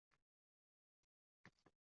Shunisi alam qiladi, yo‘q.